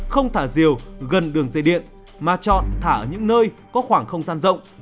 không thả diều gần đường dây điện mà chọn thả ở những nơi có khoảng không gian rộng